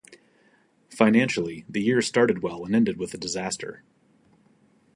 Financially, the year started well and ended with a disaster.